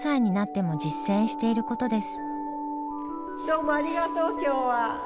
どうもありがとう今日は。